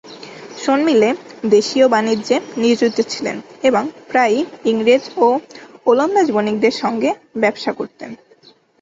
শোনমিলে দেশিয় বাণিজ্যে নিয়োজিত ছিলেন এবং প্রায়ই ইংরেজ ও ওলন্দাজ বণিকদের সঙ্গে ব্যবসা করতেন।